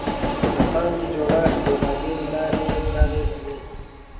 د پانګې جوړښت بېلابېلې لارې چارې لري.